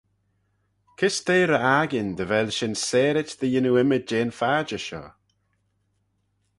Kys t'eh ry akin dy vel shin sarit dy yannoo ymmyd jeh'n phadjer shoh?